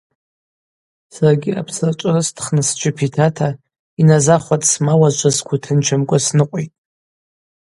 Саргьи апсарчӏвы рыстхныс сджьып йтата, йназахвра дсмауазшва сгвы тынчымкӏва сныкъвитӏ.